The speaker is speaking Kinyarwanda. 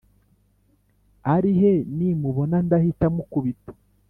ari he, nimubona ndahita mukubita?